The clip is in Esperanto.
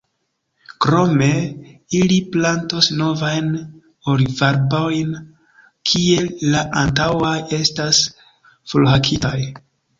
Krome ili plantos novajn olivarbojn, kie la antaŭaj estas forhakitaj.